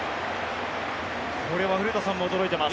これは古田さんも驚いてます。